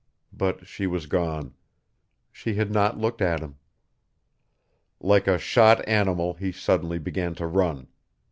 But she was gone; she had not looked at him. Like a shot animal he suddenly began to run.